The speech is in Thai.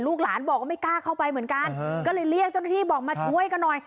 หลานบอกว่าไม่กล้าเข้าไปเหมือนกันก็เลยเรียกเจ้าหน้าที่บอกมาช่วยกันหน่อย